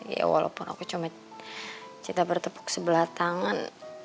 ya walaupun aku cuma kita bertepuk sebelah tangan